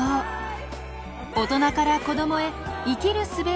大人から子どもへ生きるすべを伝えてゆく。